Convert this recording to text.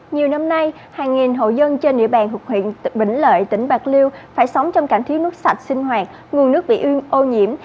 nhiều năm nay hàng nghìn hộ dân trên địa bàn huyện bình lợi tỉnh bạc liêu phải sống trong cảnh thiếu nước sạch sinh hoạt nguồn nước bị uyên ô nhiễm